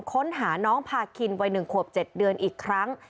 ค้นหาน้องพาคินวัย๑ขวบ๗เดือนอีกครั้ง